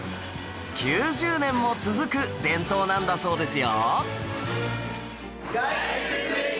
９０年も続く伝統なんだそうですよ